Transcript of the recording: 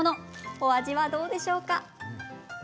お味はどうでしょうか？